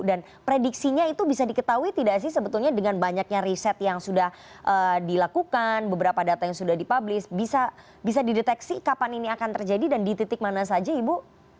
dan prediksinya itu bisa diketahui tidak sih sebetulnya dengan banyaknya riset yang sudah dilakukan beberapa data yang sudah dipublis bisa dideteksi kapan ini akan terjadi dan di titik mana saja ibu